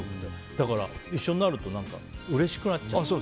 だから、一緒になるとうれしくなっちゃう。